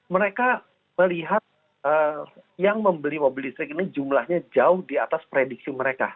mereka melihat yang membeli mobil listrik ini jumlahnya jauh di atas prediksi mereka